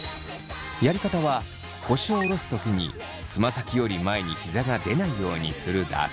やり方は腰を下ろす時につま先より前にひざが出ないようにするだけ。